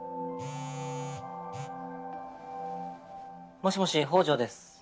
もしもし北條です。